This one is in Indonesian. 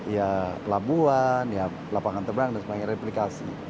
ya pelabuhan ya lapangan terbang dan sebagainya replikasi